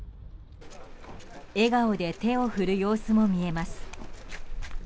笑顔で手を振る様子も見えます。